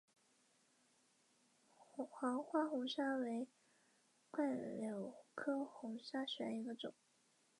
萨伏伊别墅是一个著名的代表作。